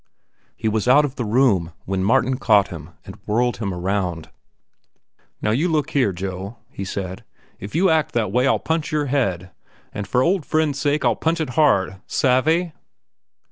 He was out of the room when Martin caught him and whirled him around. "Now look here, Joe," he said; "if you act that way, I'll punch your head. And for old friends' sake I'll punch it hard. Savve?